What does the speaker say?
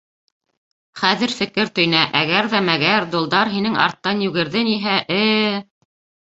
Хәҙер фекер төйнә: әгәр ҙә мәгәр долдар һинең арттан йүгерҙениһә... э-э-э...